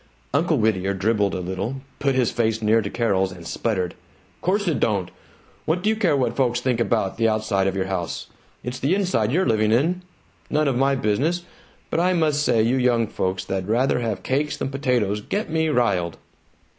Uncle Whittier dribbled a little, put his face near to Carol's, and sputtered, "Course it don't! What d'you care what folks think about the outside of your house? It's the inside you're living in. None of my business, but I must say you young folks that'd rather have cakes than potatoes get me riled."